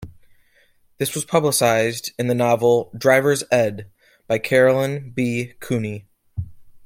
This was publicized in the novel "Driver's Ed" by Caroline B. Cooney.